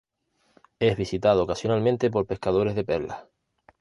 Es visitado ocasionalmente por pescadores de perlas.